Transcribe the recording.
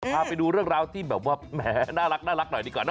พาไปดูเรื่องราวที่แบบว่าแหมน่ารักหน่อยดีกว่า